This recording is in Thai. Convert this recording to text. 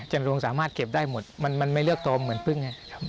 จำรวงสามารถเก็บได้หมดมันไม่เลือกตัวเหมือนพึ่งไง